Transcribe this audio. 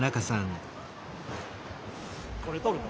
これ撮るの？